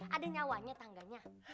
ada nyawanya tangganya